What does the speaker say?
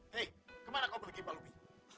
hei kemana kau pergi mbak luby